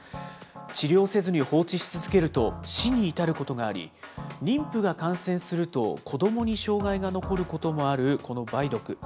治療せずに放置し続けると死に至ることがあり、妊婦が感染すると、子どもに障害が残ることもあるこの梅毒。